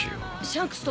「シャンクス！」